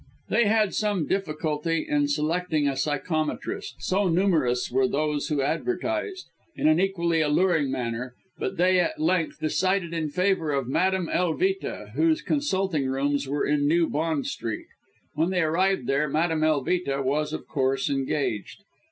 They had some difficulty in selecting a psychometrist so numerous were those who advertised, in an equally alluring manner but they at length decided in favour of Madame Elvita, whose consulting rooms were in New Bond Street. When they arrived there, Madame Elvita was, of course, engaged.